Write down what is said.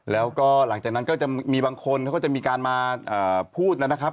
แล้วก็หลังจากนั้นก็จะมีบางคนเขาก็จะมีการมาพูดนะครับ